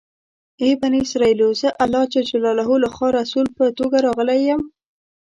ای بني اسرایلو! زه الله جل جلاله لخوا رسول په توګه راغلی یم.